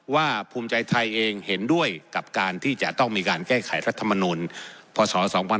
ภูมิใจไทยเองเห็นด้วยกับการที่จะต้องมีการแก้ไขรัฐมนุนพศ๒๕๖๒